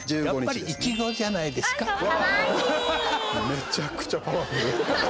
めちゃくちゃパワフル。